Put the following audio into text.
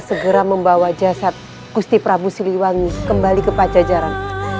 segera membawa jasad gusti prabu siliwangi kembali ke pajajaran